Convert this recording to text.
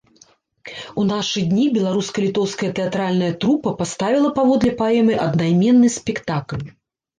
У нашы дні беларуска-літоўская тэатральная трупа паставіла паводле паэмы аднайменны спектакль.